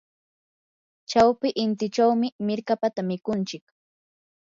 chawpi intichawmi mirkapata mikunchik.